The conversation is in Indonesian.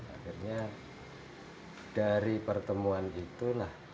akhirnya dari pertemuan itu